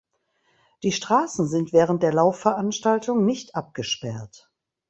Die Straßen sind während der Laufveranstaltung nicht abgesperrt.